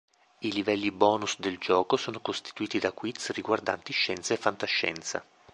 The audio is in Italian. I livelli bonus del gioco sono costituiti da quiz riguardanti scienza e fantascienza.